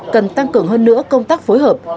cần tăng cường hơn nữa công tác phối hợp